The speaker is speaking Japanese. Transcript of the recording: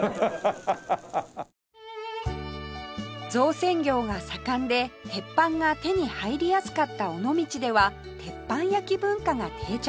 造船業が盛んで鉄板が手に入りやすかった尾道では鉄板焼き文化が定着